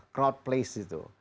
tempat ibadah itu